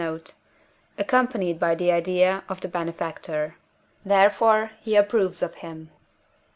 note) accompanied by the idea of the benefactor. Therefore he approves of him.